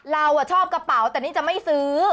เราชอบกระเป๋าแต่นี่จะไม่ซื้อ